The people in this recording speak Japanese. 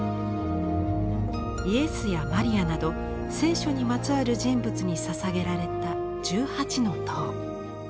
イエスやマリアなど聖書にまつわる人物にささげられた１８の塔。